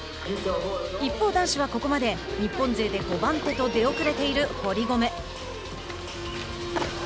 一方、男子はここまで日本勢で５番手と出遅れている堀米。